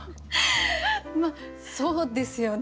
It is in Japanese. まあそうですよね。